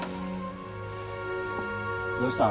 どうした？